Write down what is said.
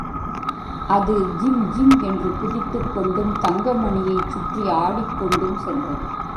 அது ஜிங்ஜிங் என்று குதித்துக்கொண்டும் தங்கமணியைச் சுற்றி ஆடிக்கொண்டும் சென்றது.